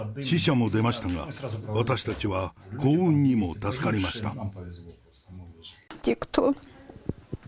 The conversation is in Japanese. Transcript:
死者も出ましたが、私たちは幸運にも助かりました。